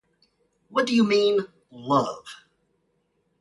What do you mean 'love'?